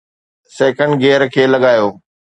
second gear کي لڳايو